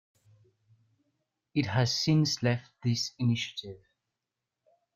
It has since left this initiative.